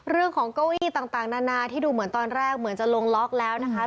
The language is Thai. เก้าอี้ต่างนานาที่ดูเหมือนตอนแรกเหมือนจะลงล็อกแล้วนะคะ